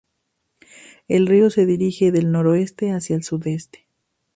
El río se dirige del noroeste hacia el sudeste.